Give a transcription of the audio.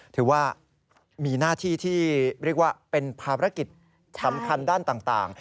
ถือว่ามีหน้าที่ที่เรียกว่าเป็นภารกิจสำคัญด้านต่าง